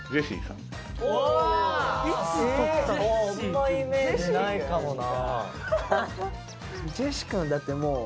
あんまイメージないかもな